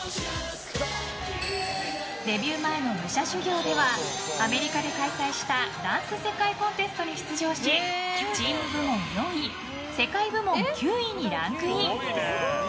デビュー前の武者修行ではアメリカで開催したダンス世界コンテストに出場しチーム部門４位世界部門９位にランクイン。